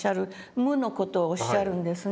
無の事をおっしゃるんですね。